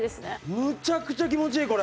むちゃくちゃ気持ちいいこれ。